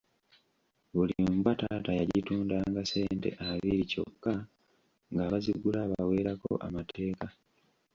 Buli mbwa taata yagitundanga ssente abiri kyokka ng’abazigula abaweerako amateeka.